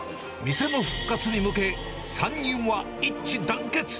店の復活に向け、３人は一致団結。